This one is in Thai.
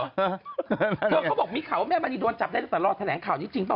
เขาบอกมีข่าวว่าแม่มณีโดนจับได้ตั้งแต่รอแถลงข่าวนี้จริงป่